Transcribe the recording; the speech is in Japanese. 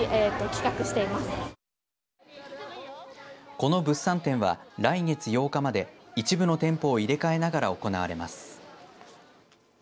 この物産展は来月８日まで一部の店舗を入れ替えながら行われます。